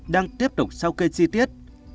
đang tiếp tục sau kê chi tiết